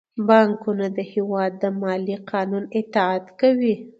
بانکونه د هیواد د مالي قانون اطاعت کوي.